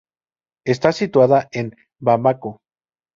Está situada en Bamako.